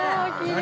何？